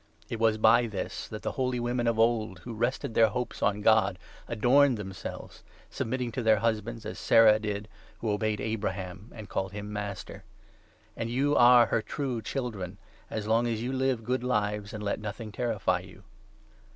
It was by this that the holy women of old, 5 who rested their hopes on God, adorned themselves ; submit ting to their husbands, as Sarah did, who obeyed Abraham, 6 and called him master. And you are her true children, as long as you live good lives, and let nothing terrify you.